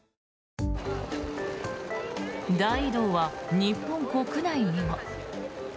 大移動は日本国内にも。